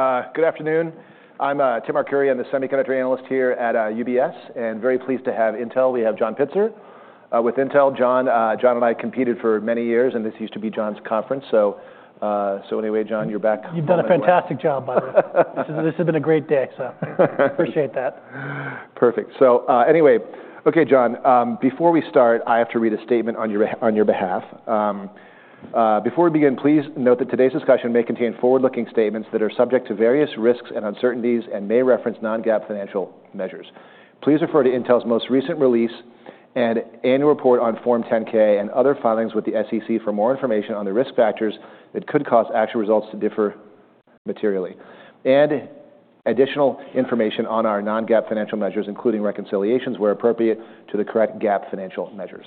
Good afternoon. I'm Timothy Arcuri, I'm the semiconductor analyst here at UBS, and very pleased to have Intel. We have John Pitzer with Intel. John and I competed for many years, and this used to be John's conference. So anyway, John, you're back. You've done a fantastic job, by the way. This has been a great day, so I appreciate that. Perfect. So anyway, OK, John, before we start, I have to read a statement on your behalf. Before we begin, please note that today's discussion may contain forward-looking statements that are subject to various risks and uncertainties and may reference non-GAAP financial measures. Please refer to Intel's most recent release and annual report on Form 10-K and other filings with the SEC for more information on the risk factors that could cause actual results to differ materially, and additional information on our non-GAAP financial measures, including reconciliations where appropriate, to the corresponding GAAP financial measures.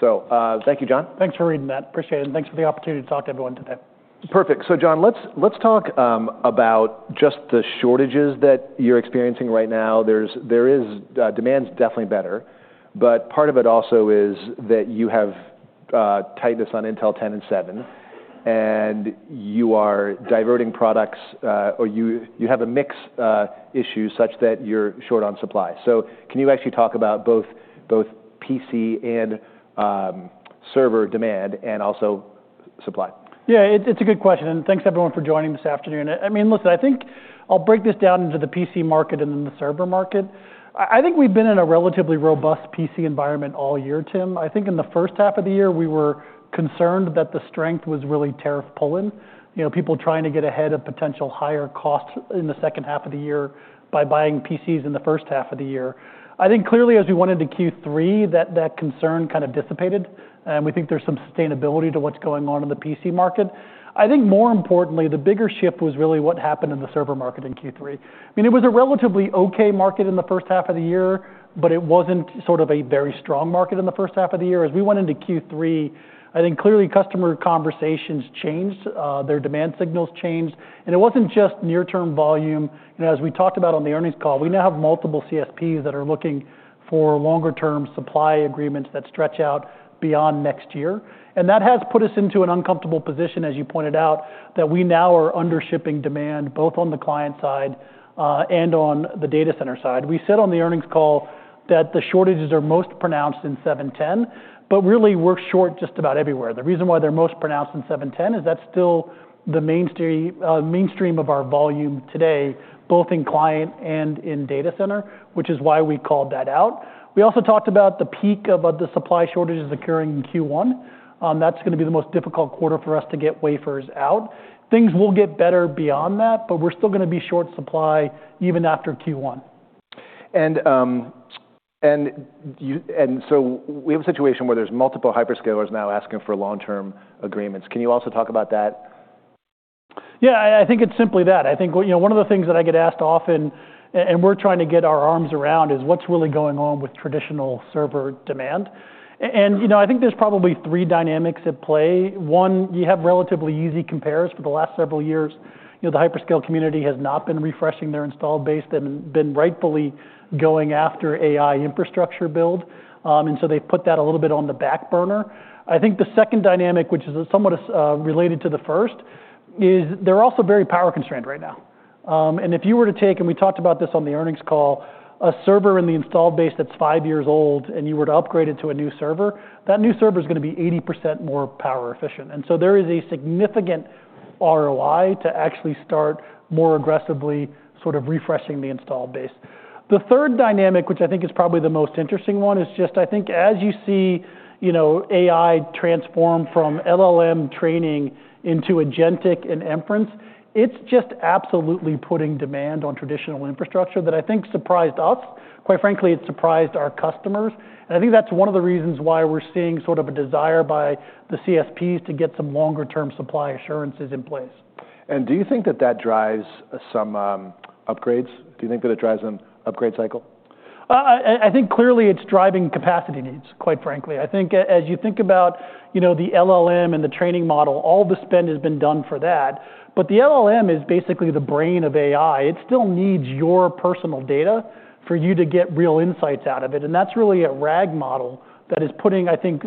So thank you, John. Thanks for reading that. Appreciate it, and thanks for the opportunity to talk to everyone today. Perfect. So John, let's talk about just the shortages that you're experiencing right now. Demand's definitely better, but part of it also is that you have tightness on Intel 10 and 7, and you are diverting products, or you have a mixed issue such that you're short on supply. So can you actually talk about both PC and server demand and also supply? Yeah, it's a good question, and thanks everyone for joining this afternoon. I mean, listen, I think I'll break this down into the PC market and then the server market. I think we've been in a relatively robust PC environment all year, Tim. I think in the first half of the year, we were concerned that the strength was really tariff pulling, people trying to get ahead of potential higher costs in the second half of the year by buying PCs in the first half of the year. I think clearly as we went into Q3, that concern kind of dissipated, and we think there's some sustainability to what's going on in the PC market. I think more importantly, the bigger shift was really what happened in the server market in Q3. I mean, it was a relatively OK market in the first half of the year, but it wasn't sort of a very strong market in the first half of the year. As we went into Q3, I think clearly customer conversations changed, their demand signals changed, and it wasn't just near-term volume. As we talked about on the earnings call, we now have multiple CSPs that are looking for longer-term supply agreements that stretch out beyond next year. And that has put us into an uncomfortable position, as you pointed out, that we now are undershipping demand both on the client side and on the data center side. We said on the earnings call that the shortages are most pronounced in 7-10, but really we're short just about everywhere. The reason why they're most pronounced in Intel 7 is that's still the mainstream of our volume today, both in client and in data center, which is why we called that out. We also talked about the peak of the supply shortages occurring in Q1. That's going to be the most difficult quarter for us to get wafers out. Things will get better beyond that, but we're still going to be in short supply even after Q1. And so we have a situation where there's multiple hyperscalers now asking for long-term agreements. Can you also talk about that? Yeah, I think it's simply that. I think one of the things that I get asked often, and we're trying to get our arms around, is what's really going on with traditional server demand. And I think there's probably three dynamics at play. One, you have relatively easy comparisons. For the last several years, the hyperscale community has not been refreshing their installed base and been rightfully going after AI infrastructure build. And so they've put that a little bit on the back burner. I think the second dynamic, which is somewhat related to the first, is they're also very power constrained right now. And if you were to take, and we talked about this on the earnings call, a server in the installed base that's five years old, and you were to upgrade it to a new server, that new server is going to be 80% more power efficient. And so there is a significant ROI to actually start more aggressively sort of refreshing the installed base. The third dynamic, which I think is probably the most interesting one, is just I think as you see AI transform from LLM training into agentic and inference, it's just absolutely putting demand on traditional infrastructure that I think surprised us. Quite frankly, it surprised our customers. And I think that's one of the reasons why we're seeing sort of a desire by the CSPs to get some longer-term supply assurances in place. Do you think that that drives some upgrades? Do you think that it drives an upgrade cycle? I think clearly it's driving capacity needs, quite frankly. I think as you think about the LLM and the training model, all the spend has been done for that. But the LLM is basically the brain of AI. It still needs your personal data for you to get real insights out of it. And that's really a RAG model that is putting, I think,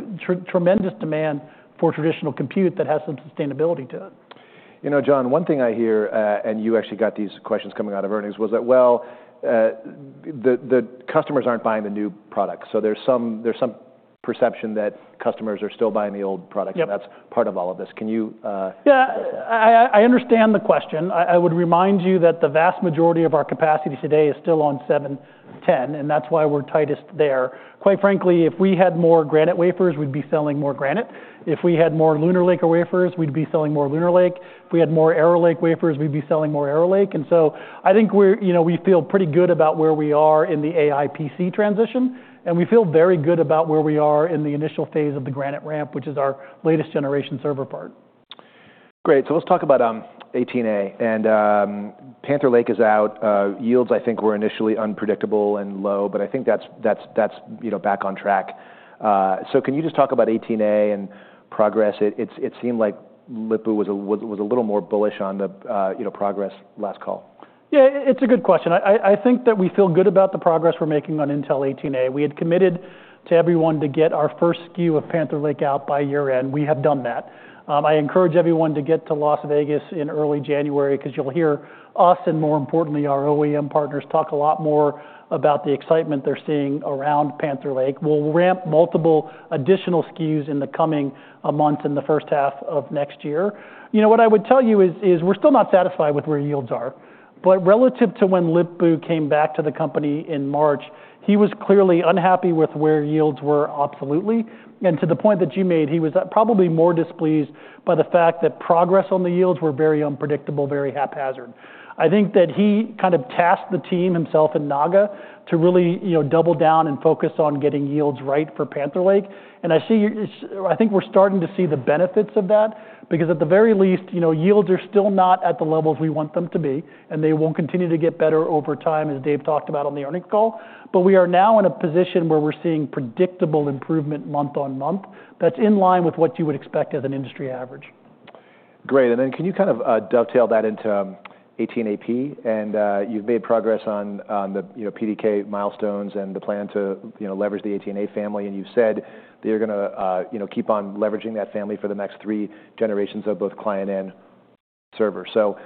tremendous demand for traditional compute that has some sustainability to it. You know, John, one thing I hear, and you actually got these questions coming out of earnings, was that, well, the customers aren't buying the new product. So there's some perception that customers are still buying the old product, and that's part of all of this. Can you? Yeah, I understand the question. I would remind you that the vast majority of our capacity today is still on Intel 7, and that's why we're tightest there. Quite frankly, if we had more Granite wafers, we'd be selling more Granite. If we had more Lunar Lake wafers, we'd be selling more Lunar Lake. If we had more Arrow Lake wafers, we'd be selling more Arrow Lake, and so I think we feel pretty good about where we are in the AI PC transition, and we feel very good about where we are in the initial phase of the Granite ramp, which is our latest generation server part. Great. So let's talk about 18A. And Panther Lake is out. Yields, I think, were initially unpredictable and low, but I think that's back on track. So can you just talk about 18A and progress? It seemed like Lip-Bu was a little more bullish on the progress last call. Yeah, it's a good question. I think that we feel good about the progress we're making on Intel 18A. We had committed to everyone to get our first SKU of Panther Lake out by year-end. We have done that. I encourage everyone to get to Las Vegas in early January because you'll hear us, and more importantly, our OEM partners talk a lot more about the excitement they're seeing around Panther Lake. We'll ramp multiple additional SKUs in the coming months in the first half of next year. You know what I would tell you is we're still not satisfied with where yields are, but relative to when Lip-Bu came back to the company in March, he was clearly unhappy with where yields were absolutely, and to the point that you made, he was probably more displeased by the fact that progress on the yields were very unpredictable, very haphazard. I think that he kind of tasked the team himself and Naga to really double down and focus on getting yields right for Panther Lake. And I think we're starting to see the benefits of that because at the very least, yields are still not at the levels we want them to be, and they will continue to get better over time as Dave talked about on the earnings call. But we are now in a position where we're seeing predictable improvement month on month that's in line with what you would expect as an industry average. Great. And then can you kind of dovetail that into 18AP? And you've made progress on the PDK milestones and the plan to leverage the 18A family. And you've said that you're going to keep on leveraging that family for the next three generations of both client and server. So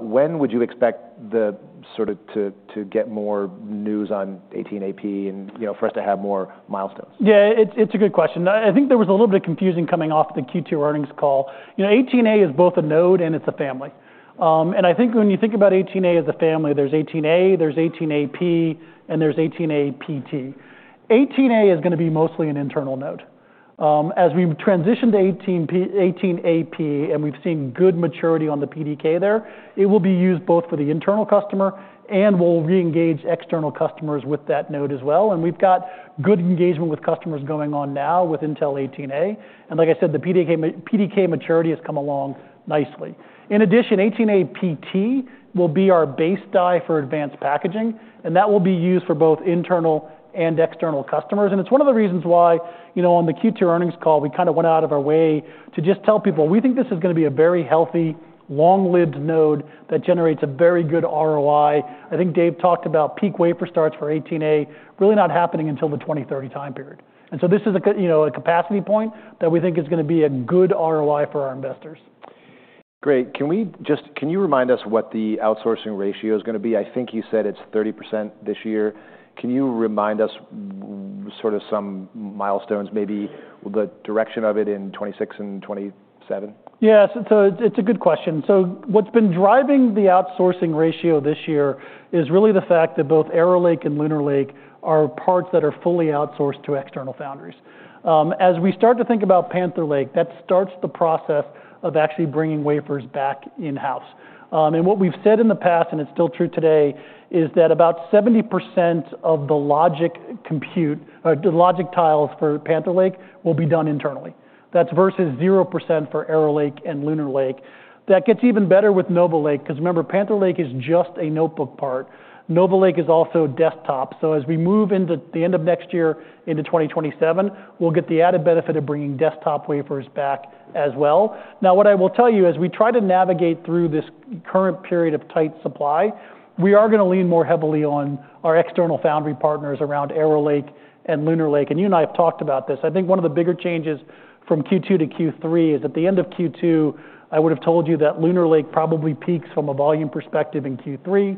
when would you expect to get more news on 18AP and for us to have more milestones? Yeah, it's a good question. I think there was a little bit of confusion coming off the Q2 earnings call. 18A is both a node and it's a family. And I think when you think about 18A as a family, there's 18A, there's 18AP, and there's 18APT. 18A is going to be mostly an internal node. As we transition to 18AP and we've seen good maturity on the PDK there, it will be used both for the internal customer and will re-engage external customers with that node as well. And we've got good engagement with customers going on now with Intel 18A. And like I said, the PDK maturity has come along nicely. In addition, 18APT will be our base die for advanced packaging, and that will be used for both internal and external customers. And it's one of the reasons why on the Q2 earnings call, we kind of went out of our way to just tell people, we think this is going to be a very healthy, long-lived node that generates a very good ROI. I think Dave talked about peak wafer starts for 18A really not happening until the 2030 time period. And so this is a capacity point that we think is going to be a good ROI for our investors. Great. Can you remind us what the outsourcing ratio is going to be? I think you said it's 30% this year. Can you remind us sort of some milestones, maybe the direction of it in 2026 and 2027? Yeah, so it's a good question. So what's been driving the outsourcing ratio this year is really the fact that both Arrow Lake and Lunar Lake are parts that are fully outsourced to external foundries. As we start to think about Panther Lake, that starts the process of actually bringing wafers back in-house. And what we've said in the past, and it's still true today, is that about 70% of the logic compute, the logic tiles for Panther Lake, will be done internally. That's versus 0% for Arrow Lake and Lunar Lake. That gets even better with Nova Lake because remember, Panther Lake is just a notebook part. Nova Lake is also desktop. So as we move into the end of next year, into 2027, we'll get the added benefit of bringing desktop wafers back as well. Now, what I will tell you is we try to navigate through this current period of tight supply. We are going to lean more heavily on our external foundry partners around Arrow Lake and Lunar Lake. And you and I have talked about this. I think one of the bigger changes from Q2-Q3 is at the end of Q2, I would have told you that Lunar Lake probably peaks from a volume perspective in Q3,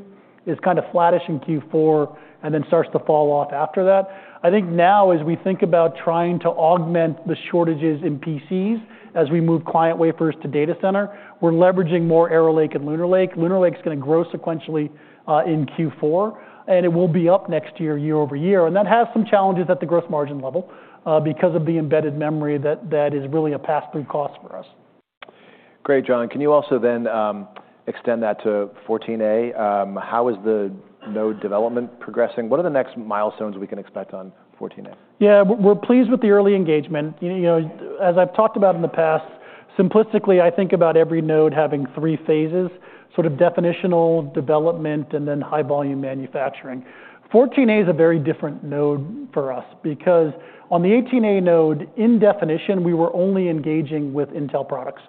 is kind of flattish in Q4, and then starts to fall off after that. I think now, as we think about trying to augment the shortages in PCs as we move client wafers to data center, we're leveraging more Arrow Lake and Lunar Lake. Lunar Lake is going to grow sequentially in Q4, and it will be up next year, year-over-year. That has some challenges at the gross margin level because of the embedded memory that is really a pass-through cost for us. Great, John. Can you also then extend that to 14A? How is the node development progressing? What are the next milestones we can expect on 14A? Yeah, we're pleased with the early engagement. As I've talked about in the past, simplistically, I think about every node having three phases, sort of definitional development and then high-volume manufacturing. 14A is a very different node for us because on the 18A node, in definition, we were only engaging with Intel products.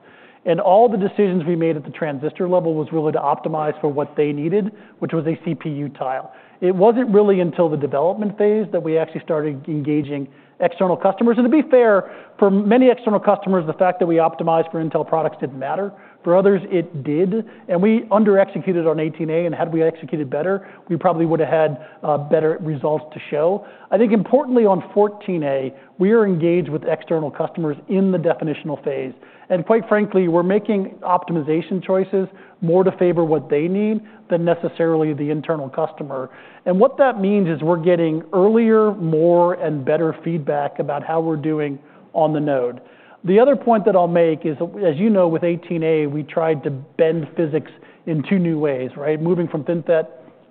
And all the decisions we made at the transistor level was really to optimize for what they needed, which was a CPU tile. It wasn't really until the development phase that we actually started engaging external customers. And to be fair, for many external customers, the fact that we optimized for Intel products didn't matter. For others, it did. And we underexecuted on 18A, and had we executed better, we probably would have had better results to show. I think importantly, on 14A, we are engaged with external customers in the definitional phase. Quite frankly, we're making optimization choices more to favor what they need than necessarily the internal customer. And what that means is we're getting earlier, more, and better feedback about how we're doing on the node. The other point that I'll make is, as you know, with 18A, we tried to bend physics in two new ways, right? Moving from FinFET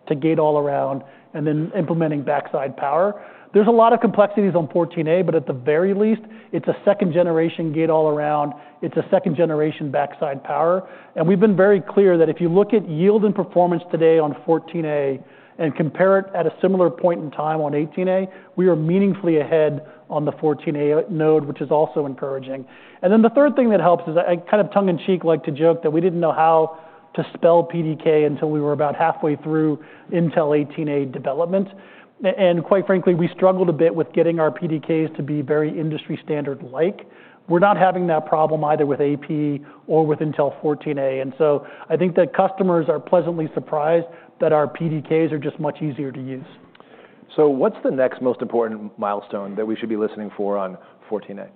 to gate all around and then implementing backside power. There's a lot of complexities on 14A, but at the very least, it's a second-generation gate all around. It's a second-generation backside power. And we've been very clear that if you look at yield and performance today on 14A and compare it at a similar point in time on 18A, we are meaningfully ahead on the 14A node, which is also encouraging. And then the third thing that helps is I kind of tongue-in-cheek like to joke that we didn't know how to spell PDK until we were about halfway through Intel 18A development. And quite frankly, we struggled a bit with getting our PDKs to be very industry-standard-like. We're not having that problem either with AP or with Intel 14A. And so I think that customers are pleasantly surprised that our PDKs are just much easier to use. What's the next most important milestone that we should be listening for on 14A?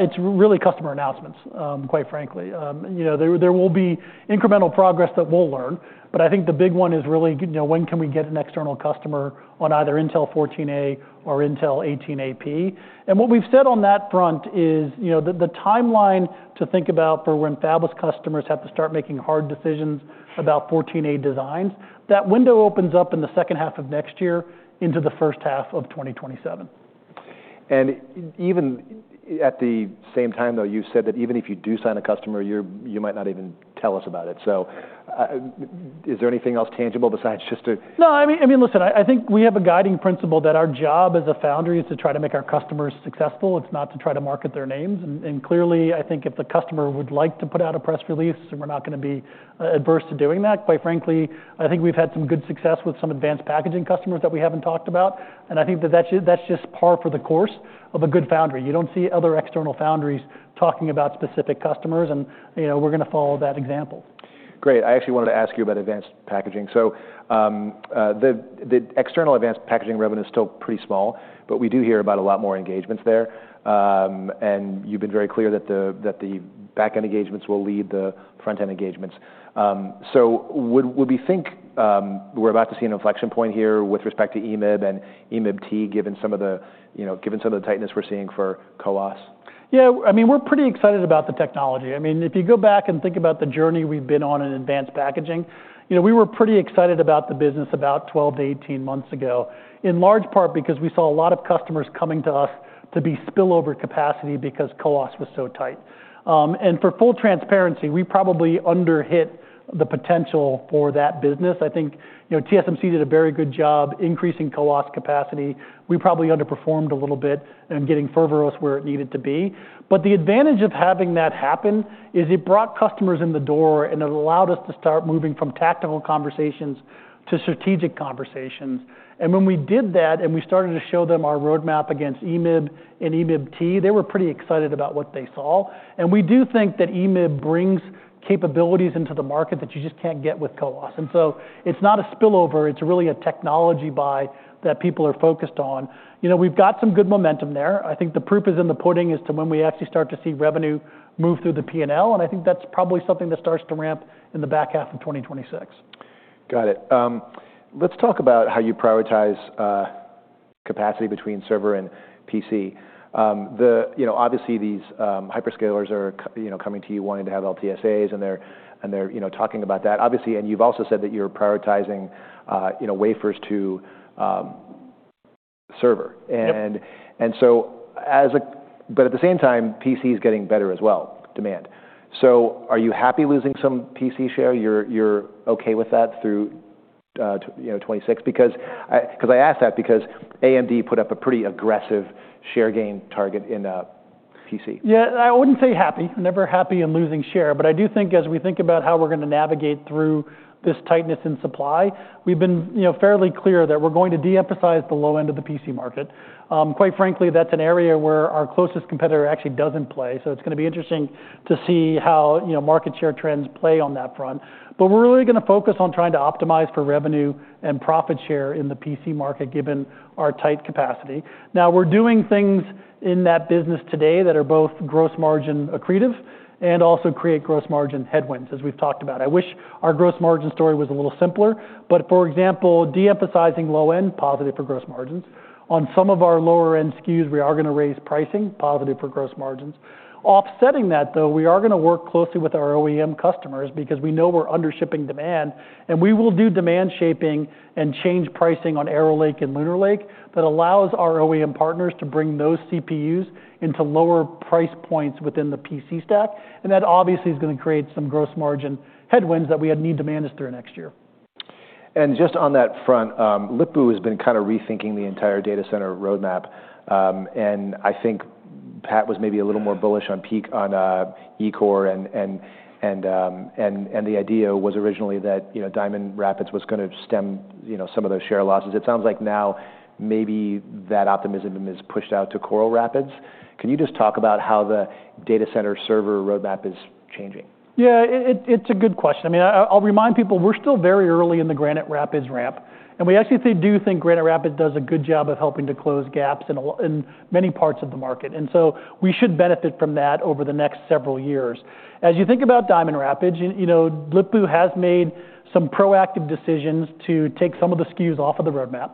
It's really customer announcements, quite frankly. There will be incremental progress that we'll learn, but I think the big one is really when can we get an external customer on either Intel 14A or Intel 18AP? And what we've said on that front is the timeline to think about for when fabless customers have to start making hard decisions about 14A designs, that window opens up in the second half of next year into the first half of 2027. And even at the same time, though, you said that even if you do sign a customer, you might not even tell us about it. So is there anything else tangible besides just to? No, I mean, listen, I think we have a guiding principle that our job as a foundry is to try to make our customers successful. It's not to try to market their names. And clearly, I think if the customer would like to put out a press release, we're not going to be adverse to doing that. Quite frankly, I think we've had some good success with some advanced packaging customers that we haven't talked about. And I think that that's just par for the course of a good foundry. You don't see other external foundries talking about specific customers, and we're going to follow that example. Great. I actually wanted to ask you about advanced packaging. So the external advanced packaging revenue is still pretty small, but we do hear about a lot more engagements there. And you've been very clear that the back-end engagements will lead the front-end engagements. So would we think we're about to see an inflection point here with respect to EMIB and EMIB-T, given some of the tightness we're seeing for CoWoS? Yeah, I mean, we're pretty excited about the technology. I mean, if you go back and think about the journey we've been on in advanced packaging, we were pretty excited about the business about 12-18 months ago, in large part because we saw a lot of customers coming to us to be spillover capacity because CoWoS was so tight. And for full transparency, we probably underhit the potential for that business. I think TSMC did a very good job increasing CoWoS capacity. We probably underperformed a little bit in getting Foveros where it needed to be. But the advantage of having that happen is it brought customers in the door and allowed us to start moving from tactical conversations to strategic conversations. And when we did that and we started to show them our roadmap against EMIB and EMIB-T, they were pretty excited about what they saw. We do think that EMIB brings capabilities into the market that you just can't get with CoWoS. So it's not a spillover. It's really a technology buy that people are focused on. We've got some good momentum there. I think the proof is in the pudding as to when we actually start to see revenue move through the P&L. I think that's probably something that starts to ramp in the back half of 2026. Got it. Let's talk about how you prioritize capacity between server and PC. Obviously, these hyperscalers are coming to you wanting to have LTSAs, and they're talking about that. Obviously, and you've also said that you're prioritizing wafers to server. And so at the same time, PC is getting better as well, demand. So are you happy losing some PC share? You're okay with that through 2026? Because I ask that because AMD put up a pretty aggressive share gain target in PC. Yeah, I wouldn't say happy. Never happy and losing share. But I do think as we think about how we're going to navigate through this tightness in supply, we've been fairly clear that we're going to de-emphasize the low end of the PC market. Quite frankly, that's an area where our closest competitor actually doesn't play. So it's going to be interesting to see how market share trends play on that front. But we're really going to focus on trying to optimize for revenue and profit share in the PC market given our tight capacity. Now, we're doing things in that business today that are both gross margin accretive and also create gross margin headwinds, as we've talked about. I wish our gross margin story was a little simpler. But for example, de-emphasizing low end, positive for gross margins. On some of our lower end SKUs, we are going to raise pricing, positive for gross margins. Offsetting that, though, we are going to work closely with our OEM customers because we know we're undershipping demand, and we will do demand shaping and change pricing on Arrow Lake and Lunar Lake that allows our OEM partners to bring those CPUs into lower price points within the PC stack, and that obviously is going to create some gross margin headwinds that we need to manage through next year. Just on that front, Lip-Bu has been kind of rethinking the entire data center roadmap. I think Pat was maybe a little more bullish on P-core on E-core. The idea was originally that Diamond Rapids was going to stem some of those share losses. It sounds like now maybe that optimism is pushed out to Coral Rapids. Can you just talk about how the data center server roadmap is changing? Yeah, it's a good question. I mean, I'll remind people we're still very early in the Granite Rapids ramp. And we actually do think Granite Rapids does a good job of helping to close gaps in many parts of the market. And so we should benefit from that over the next several years. As you think about Diamond Rapids, Lip-Bu has made some proactive decisions to take some of the SKUs off of the roadmap,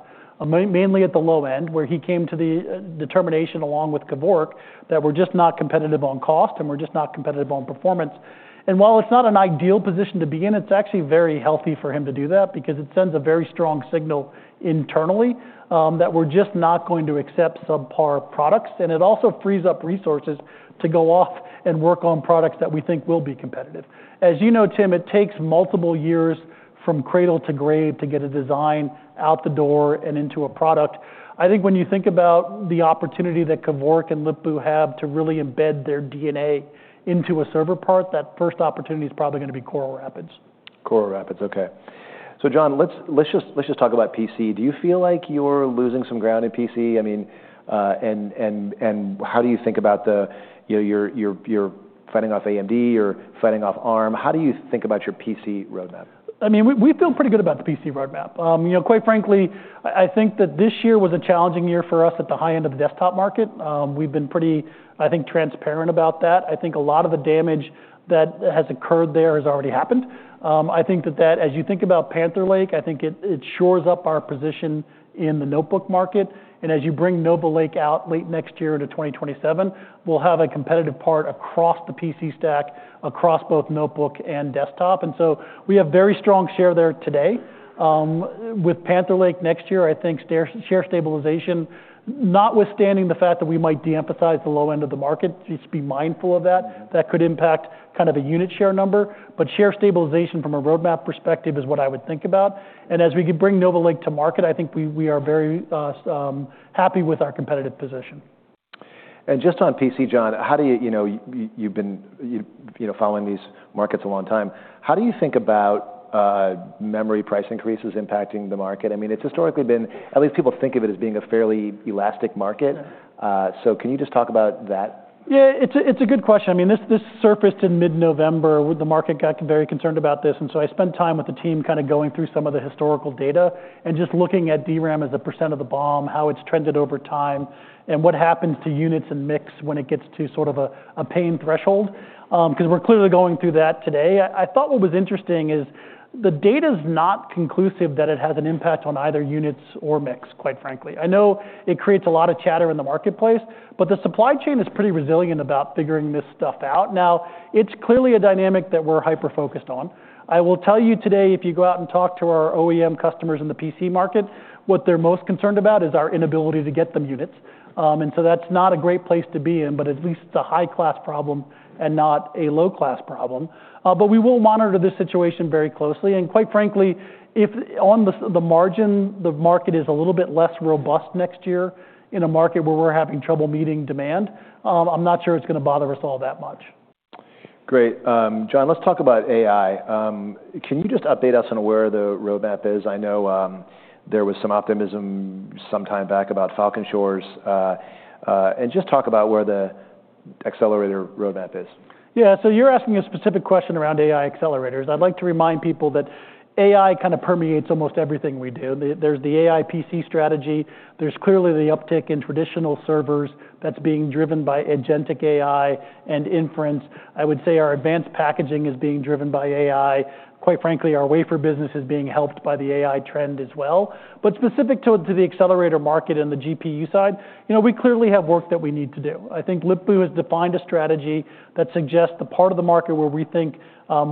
mainly at the low end, where he came to the determination along with Gevorg that we're just not competitive on cost and we're just not competitive on performance. And while it's not an ideal position to begin, it's actually very healthy for him to do that because it sends a very strong signal internally that we're just not going to accept subpar products. And it also frees up resources to go off and work on products that we think will be competitive. As you know, Tim, it takes multiple years from cradle to grave to get a design out the door and into a product. I think when you think about the opportunity that Gevorg and Lip-Bu have to really embed their DNA into a server part, that first opportunity is probably going to be Coral Rapids. Coral Rapids, okay. So John, let's just talk about PC. Do you feel like you're losing some ground in PC? I mean, and how do you think about you're fighting off AMD, you're fighting off ARM? How do you think about your PC roadmap? I mean, we feel pretty good about the PC roadmap. Quite frankly, I think that this year was a challenging year for us at the high end of the desktop market. We've been pretty, I think, transparent about that. I think a lot of the damage that has occurred there has already happened. I think that as you think about Panther Lake, I think it shores up our position in the notebook market. And as you bring Nova Lake out late next year into 2027, we'll have a competitive part across the PC stack, across both notebook and desktop. And so we have very strong share there today. With Panther Lake next year, I think, share stabilization, notwithstanding the fact that we might de-emphasize the low end of the market, just be mindful of that. That could impact kind of a unit share number. But share stabilization from a roadmap perspective is what I would think about. And as we can bring Nova Lake to market, I think we are very happy with our competitive position. Just on PC, John, how have you been following these markets a long time? How do you think about memory price increases impacting the market? I mean, it's historically been, at least people think of it as being a fairly elastic market. Can you just talk about that? Yeah, it's a good question. I mean, this surfaced in mid-November. The market got very concerned about this. And so I spent time with the team kind of going through some of the historical data and just looking at DRAM as a % of the BOM, how it's trended over time, and what happens to units and mix when it gets to sort of a pain threshold. Because we're clearly going through that today. I thought what was interesting is the data is not conclusive that it has an impact on either units or mix, quite frankly. I know it creates a lot of chatter in the marketplace, but the supply chain is pretty resilient about figuring this stuff out. Now, it's clearly a dynamic that we're hyper-focused on. I will tell you today, if you go out and talk to our OEM customers in the PC market, what they're most concerned about is our inability to get them units, and so that's not a great place to be in, but at least it's a high-class problem and not a low-class problem, but we will monitor this situation very closely, and quite frankly, if on the margin, the market is a little bit less robust next year in a market where we're having trouble meeting demand, I'm not sure it's going to bother us all that much. Great. John, let's talk about AI. Can you just update us on where the roadmap is? I know there was some optimism some time back about Falcon Shores, and just talk about where the accelerator roadmap is. Yeah, so you're asking a specific question around AI accelerators. I'd like to remind people that AI kind of permeates almost everything we do. There's the AI PC strategy. There's clearly the uptick in traditional servers that's being driven by agentic AI and inference. I would say our advanced packaging is being driven by AI. Quite frankly, our wafer business is being helped by the AI trend as well. But specific to the accelerator market and the GPU side, we clearly have work that we need to do. I think Lip-Bu has defined a strategy that suggests the part of the market where we think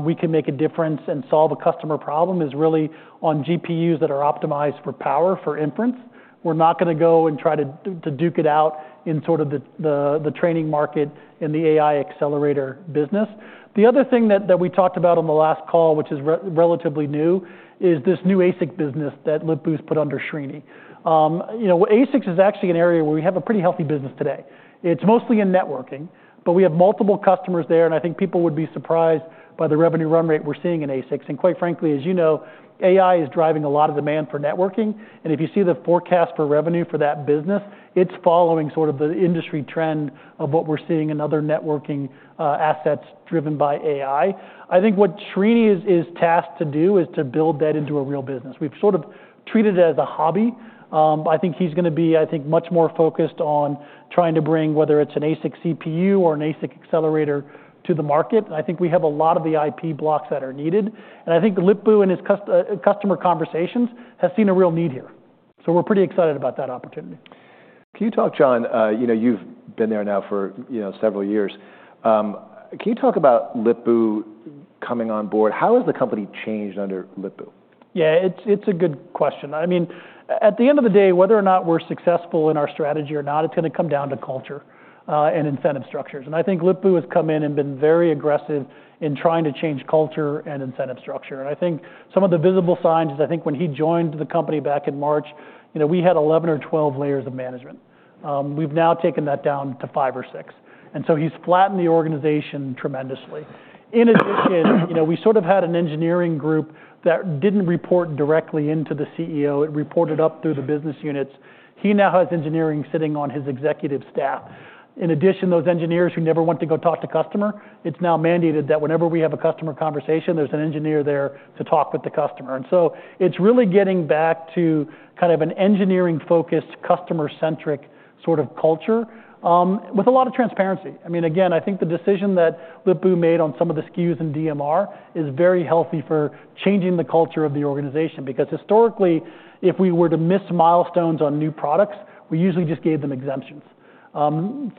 we can make a difference and solve a customer problem is really on GPUs that are optimized for power, for inference. We're not going to go and try to duke it out in sort of the training market and the AI accelerator business. The other thing that we talked about on the last call, which is relatively new, is this new ASIC business that Lip-Bu's put under Shrini. ASICs is actually an area where we have a pretty healthy business today. It's mostly in networking, but we have multiple customers there. And I think people would be surprised by the revenue run rate we're seeing in ASICs. And quite frankly, as you know, AI is driving a lot of demand for networking. And if you see the forecast for revenue for that business, it's following sort of the industry trend of what we're seeing in other networking assets driven by AI. I think what Shrini is tasked to do is to build that into a real business. We've sort of treated it as a hobby. I think he's going to be, I think, much more focused on trying to bring, whether it's an ASIC CPU or an ASIC accelerator, to the market. And I think we have a lot of the IP blocks that are needed. And I think Lip-Bu and his customer conversations have seen a real need here. So we're pretty excited about that opportunity. Can you talk, John? You've been there now for several years. Can you talk about Lip-Bu coming on board? How has the company changed under Lip-Bu? Yeah, it's a good question. I mean, at the end of the day, whether or not we're successful in our strategy or not, it's going to come down to culture and incentive structures. And I think Lip-Bu has come in and been very aggressive in trying to change culture and incentive structure. And I think some of the visible signs is I think when he joined the company back in March, we had 11 or 12 layers of management. We've now taken that down to five or six. And so he's flattened the organization tremendously. In addition, we sort of had an engineering group that didn't report directly into the CEO. It reported up through the business units. He now has engineering sitting on his executive staff. In addition, those engineers who never want to go talk to customer; it's now mandated that whenever we have a customer conversation, there's an engineer there to talk with the customer, and so it's really getting back to kind of an engineering-focused, customer-centric sort of culture with a lot of transparency. I mean, again, I think the decision that Lip-Bu made on some of the SKUs and DMR is very healthy for changing the culture of the organization. Because historically, if we were to miss milestones on new products, we usually just gave them exemptions.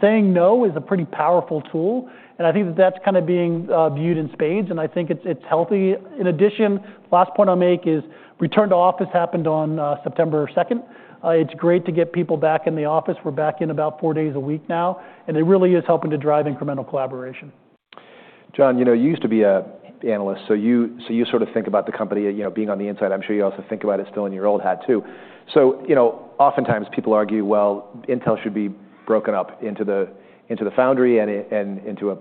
Saying no is a pretty powerful tool, and I think that that's kind of being viewed in spades, and I think it's healthy. In addition, the last point I'll make is return to office happened on September 2nd. It's great to get people back in the office. We're back in about four days a week now, and it really is helping to drive incremental collaboration. John, you used to be an analyst. So you sort of think about the company being on the inside. I'm sure you also think about it still in your old hat, too. So oftentimes people argue, well, Intel should be broken up into the foundry and into a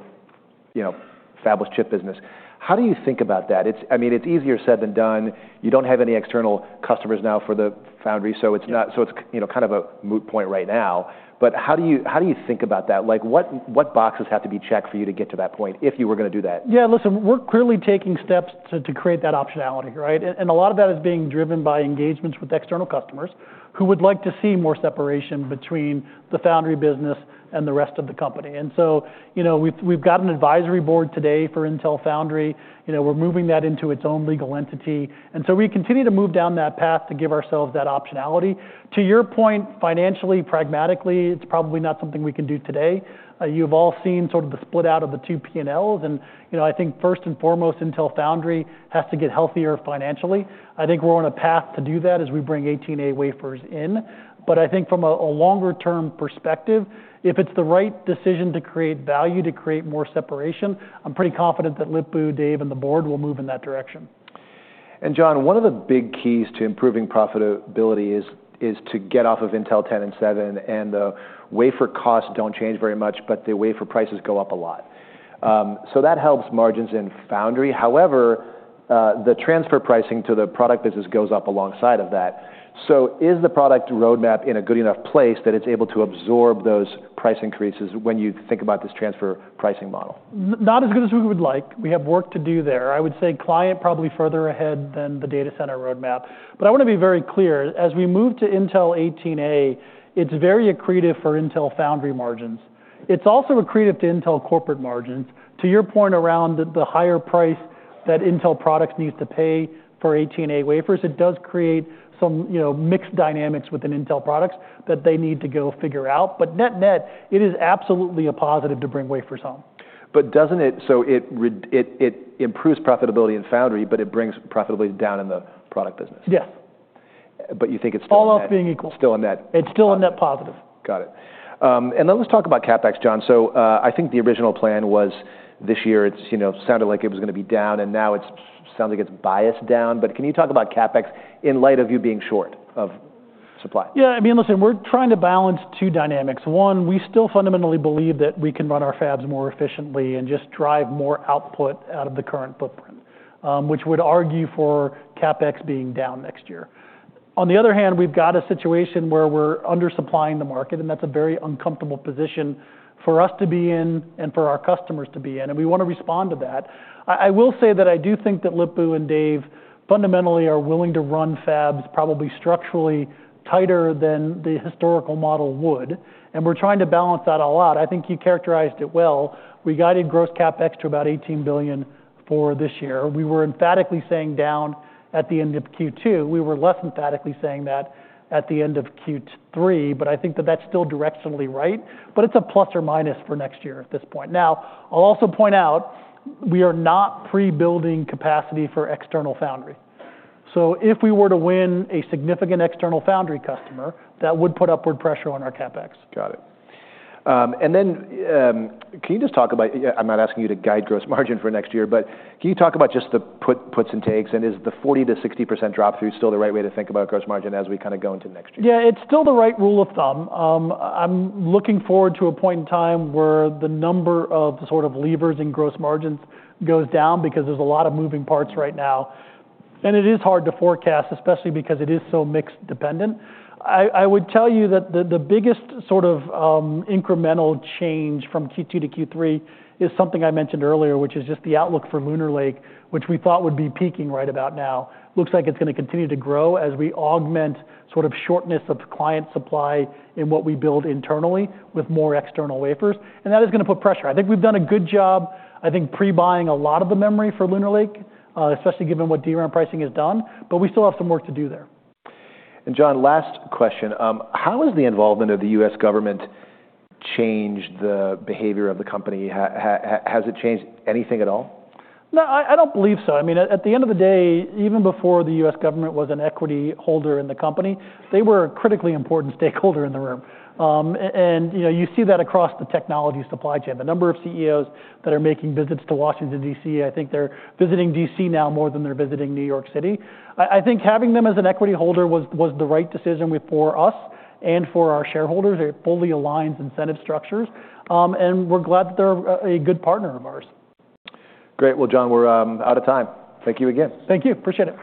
fabless chip business. How do you think about that? I mean, it's easier said than done. You don't have any external customers now for the foundry. So it's kind of a moot point right now. But how do you think about that? What boxes have to be checked for you to get to that point if you were going to do that? Yeah, listen, we're clearly taking steps to create that optionality, right? And a lot of that is being driven by engagements with external customers who would like to see more separation between the foundry business and the rest of the company. And so we've got an advisory board today for Intel Foundry. We're moving that into its own legal entity. And so we continue to move down that path to give ourselves that optionality. To your point, financially, pragmatically, it's probably not something we can do today. You've all seen sort of the split out of the two P&Ls. And I think first and foremost, Intel Foundry has to get healthier financially. I think we're on a path to do that as we bring 18A wafers in. But I think from a longer-term perspective, if it's the right decision to create value, to create more separation, I'm pretty confident that Lip-Bu, Dave, and the board will move in that direction. And John, one of the big keys to improving profitability is to get off of Intel 10 and 7. And the wafer costs don't change very much, but the wafer prices go up a lot. So that helps margins in foundry. However, the transfer pricing to the product business goes up alongside of that. So is the product roadmap in a good enough place that it's able to absorb those price increases when you think about this transfer pricing model? Not as good as we would like. We have work to do there. I would say client probably further ahead than the data center roadmap. But I want to be very clear. As we move to Intel 18A, it's very accretive for Intel Foundry margins. It's also accretive to Intel corporate margins. To your point around the higher price that Intel products need to pay for 18A wafers, it does create some mixed dynamics within Intel products that they need to go figure out. But net-net, it is absolutely a positive to bring wafers home. But doesn't it? So it improves profitability in foundry, but it brings profitability down in the product business. Yes. But you think it's still. All else being equal. Still a net. It's still a net positive. Got it. And then let's talk about CapEx, John. So I think the original plan was this year it sounded like it was going to be down, and now it sounds like it's biased down. But can you talk about CapEx in light of you being short of supply? Yeah, I mean, listen, we're trying to balance two dynamics. One, we still fundamentally believe that we can run our fabs more efficiently and just drive more output out of the current footprint, which would argue for CapEx being down next year. On the other hand, we've got a situation where we're undersupplying the market, and that's a very uncomfortable position for us to be in and for our customers to be in, and we want to respond to that. I will say that I do think that Lip-Bu and Dave fundamentally are willing to run fabs probably structurally tighter than the historical model would, and we're trying to balance that a lot. I think you characterized it well. We guided gross CapEx to about $18 billion for this year. We were emphatically saying down at the end of Q2. We were less emphatically saying that at the end of Q3, but I think that that's still directionally right. But it's a plus or minus for next year at this point. Now, I'll also point out we are not pre-building capacity for external foundry. So if we were to win a significant external foundry customer, that would put upward pressure on our CapEx. Got it. And then can you just talk about, I'm not asking you to guide gross margin for next year, but can you talk about just the puts and takes? And is the 40%-60% drop-through still the right way to think about gross margin as we kind of go into next year? Yeah, it's still the right rule of thumb. I'm looking forward to a point in time where the number of sort of levers in gross margins goes down because there's a lot of moving parts right now, and it is hard to forecast, especially because it is so mixed dependent. I would tell you that the biggest sort of incremental change from Q2 to Q3 is something I mentioned earlier, which is just the outlook for Lunar Lake, which we thought would be peaking right about now. Looks like it's going to continue to grow as we augment sort of shortness of client supply in what we build internally with more external wafers, and that is going to put pressure. I think we've done a good job, I think, pre-buying a lot of the memory for Lunar Lake, especially given what DRAM pricing has done. But we still have some work to do there. And John, last question. How has the involvement of the U.S. government changed the behavior of the company? Has it changed anything at all? No, I don't believe so. I mean, at the end of the day, even before the U.S. government was an equity holder in the company, they were a critically important stakeholder in the room, and you see that across the technology supply chain. The number of CEOs that are making visits to Washington, D.C., I think they're visiting D.C. now more than they're visiting New York City. I think having them as an equity holder was the right decision for us and for our shareholders. It fully aligns incentive structures, and we're glad that they're a good partner of ours. Great. Well, John, we're out of time. Thank you again. Thank you. Appreciate it.